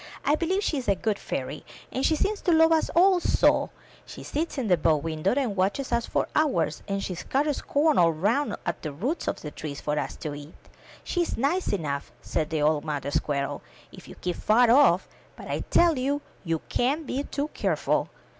I beheve she is a good fairy, and she seems to love us all so; she sits in the bow window and watches us for hours, and she scatters corn all round at the roots of the trees for us to eat/* ''She is nice enough,'* said the old mother squirrel, "if you keep far enough off; but I tell you, you can't be too careful."